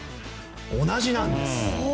同じなんです。